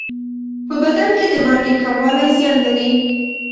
په بدن کې د مالګې کموالی زیان لري.